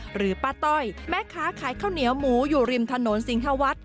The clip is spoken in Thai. หรือป้าต้อยแม่ค้าขายข้าวเหนียวหมูอยู่ริมถนนสิงหวัด